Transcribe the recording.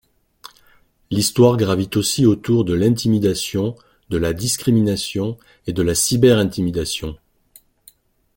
L'histoire gravite aussi autour de l'intimidation, de la discrimination et de la cyber-intimidation.